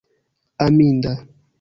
aminda